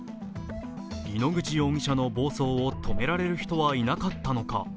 井ノ口容疑者の暴走を止められる人はいなかったのか？